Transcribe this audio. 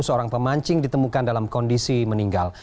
seorang pemancing ditemukan dalam kondisi meninggal